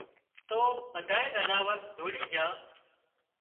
تو ٻڌانئي زناور ڌوڙِي جھان